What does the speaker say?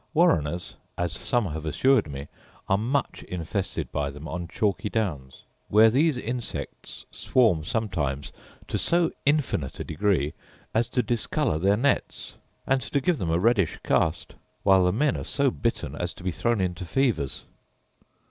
Warreners, as some have assured me, are much infested by them on chalky downs; where these insects swarm sometimes to so infinite a degree as to discolour their nets, and to give them a reddish cast, while the men are so bitten as to be thrown into fevers.